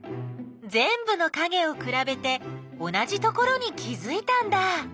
ぜんぶのかげをくらべて同じところに気づいたんだ。